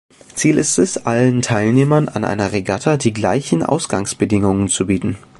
Ziel ist es, allen Teilnehmern an einer Regatta die gleichen Ausgangsbedingungen zu bieten.